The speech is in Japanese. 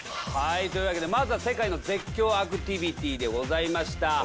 というわけでまずは世界の絶叫アクティビティでございました。